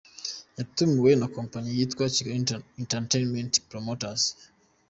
Yatumiwe na kompanyi yitwa Kigali Entertainment Promoters.